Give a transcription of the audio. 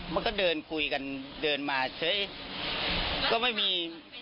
มันก็เดินคุยกันเดินมาเฉยก็ไม่มี